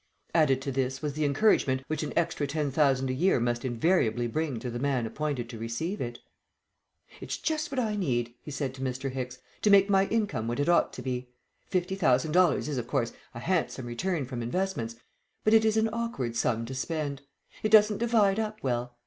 Added to this was the encouragement which an extra ten thousand a year must invariably bring to the man appointed to receive it. "It's just what I needed," he said to Mr. Hicks, "to make my income what it ought to be. Fifty thousand dollars is, of course, a handsome return from investments, but it is an awkward sum to spend. It doesn't divide up well.